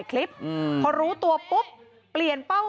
กังฟูเปล่าใหญ่มา